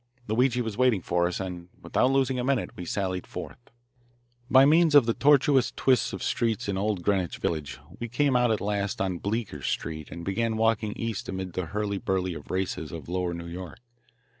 Luigi was waiting for us, and without losing a minute we sallied forth. By means of the tortuous twists of streets in old Greenwich village we came out at last on Bleecker Street and began walking east amid the hurly burly of races of lower New York.